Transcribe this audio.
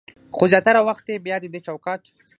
خو زياتره وخت يې بيا د دې چوکاټ